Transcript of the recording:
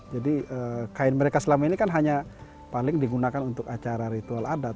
jadi kain mereka selama ini kan hanya paling digunakan untuk acara ritual adat